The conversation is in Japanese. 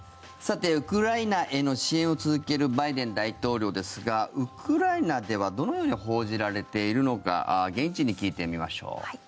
ウクライナへの支援を続けるバイデン大統領ですがウクライナではどのように報じられているのか現地に聞いてみましょう。